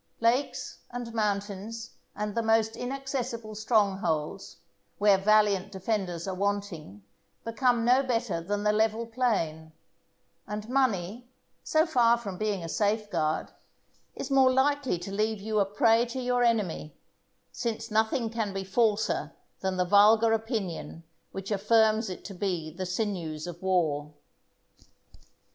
Lakes, and mountains, and the most inaccessible strongholds, where valiant defenders are wanting, become no better than the level plain; and money, so far from being a safeguard, is more likely to leave you a prey to your enemy; since nothing can be falser than the vulgar opinion which affirms it to be the sinews of war.